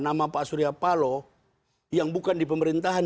nama pak surya palo yang bukan di pemerintahan